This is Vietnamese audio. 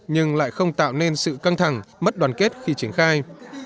nhưng lại không tạo nên sự căng thẳng mất đoàn kết khi triển khai